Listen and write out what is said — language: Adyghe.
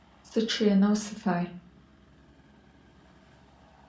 Sıççıêneu sıfay.